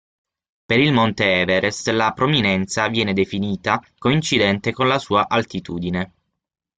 Per il monte Everest la prominenza viene definita coincidente con la sua altitudine.